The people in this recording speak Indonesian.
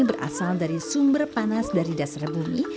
berasal dari sumber panas dari dasar bumi